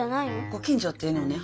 ご近所っていうのはね